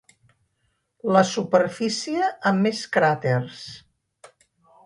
La superfície amb més cràters.